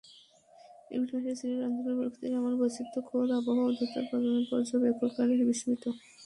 April মাসে সিলেট অঞ্চলে প্রকৃতির এমন বৈচিত্র্যে খোদ আবহাওয়া অধিদপ্তরের পর্যবেক্ষকেরাও বিস্মিত।